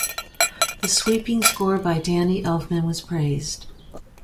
The sweeping score by Danny Elfman was praised.